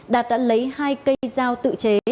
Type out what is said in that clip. đạt đã lấy hai cây dao tự chế